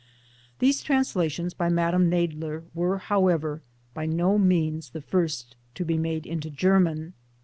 These translations by Madame Nadler were, how ever, by no means the first to be made into German.